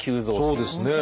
そうですね。